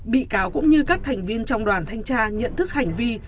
bị cáo cũng như các thành viên trong đoàn thanh tra nhận thức hành vi